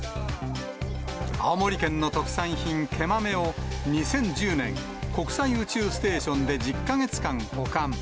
青森県の特産品、毛豆を２０１０年、国際宇宙ステーションで１０か月間保管。